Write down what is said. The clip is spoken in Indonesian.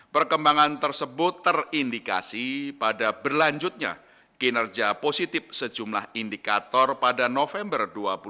perkembangan tersebut terindikasi pada berlanjutnya kinerja positif sejumlah indikator pada november dua ribu dua puluh